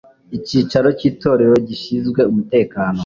Icyicaro cy Itorero gishyizwe umutekano